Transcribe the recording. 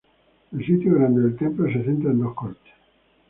El sitio grande del templo se centra en dos cortes.